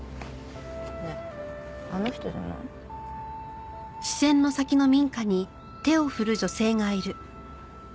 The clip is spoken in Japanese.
ねえあの人じゃない？